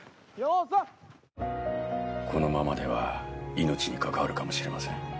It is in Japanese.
このままでは命にかかわるかもしれません。